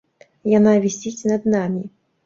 Яна вісіць над намі.